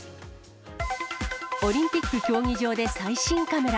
オリンピック競技場で最新カメラ。